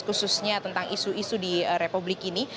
khususnya tentang isu isu di republik ini